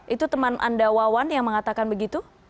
itu teman anda wawan yang mengatakan begitu